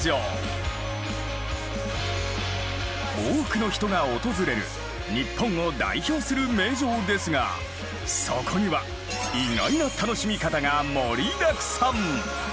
多くの人が訪れる日本を代表する名城ですがそこには意外な楽しみ方が盛りだくさん！